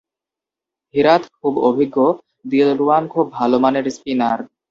হেরাথ খুব অভিজ্ঞ, দিলরুয়ান খুব ভালো মানের স্পিনার।